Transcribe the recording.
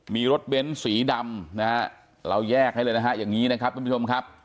มีรถเบ้นสีดำนะฮะเราแยกให้เลยนะฮะอย่างนี้นะครับทุกผู้ชมครับ